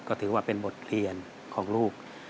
ก็ถือว่าเป็นบทเรียนของลูก